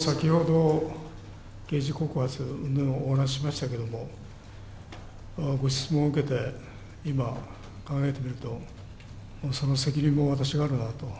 先ほど、刑事告発うんぬんをお話ししましたけども、ご質問を受けて、今、考えてみると、もうその責任も私にあるなと。